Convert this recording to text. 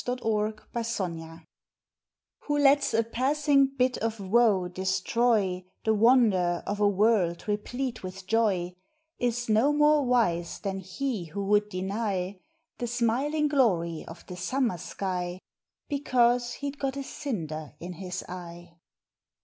August Seventh A PARALLEL lets a passing bit of woe destroy The wonder of a world replete with joy Is no more wise than he who would deny The smiling glory of the summer sky Because he d got a cinder in his eye.